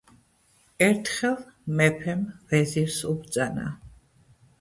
ერთხელ მეფემ ვეზირს უბრძანა